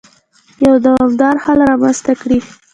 يو دوامدار حل رامنځته کړي.